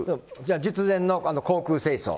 術前の口腔清掃。